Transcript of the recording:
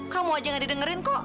kamu aja gak didengerin kok